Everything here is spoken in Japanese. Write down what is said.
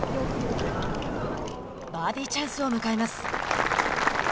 バーディーチャンスを迎えます。